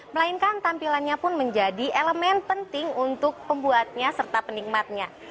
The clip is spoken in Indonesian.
melainkan tampilannya pun menjadi elemen penting untuk pembuatnya serta penikmatnya